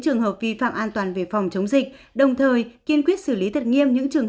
trường hợp vi phạm an toàn về phòng chống dịch đồng thời kiên quyết xử lý thật nghiêm những trường